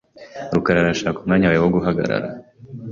rukara arashaka umwanya wawe wo guhagarara .